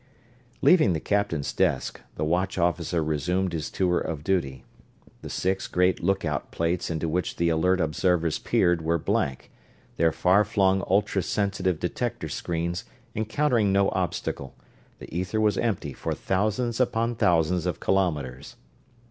Leaving the captain's desk, the watch officer resumed his tour of duty. The six great lookout plates into which the alert observers peered were blank, their far flung ultra sensitive detector screens encountering no obstacle the ether was empty for thousands upon thousands of kilometers.